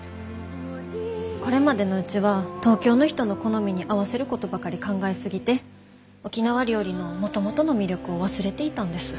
これまでのうちは東京の人の好みに合わせることばかり考え過ぎて沖縄料理のもともとの魅力を忘れていたんです。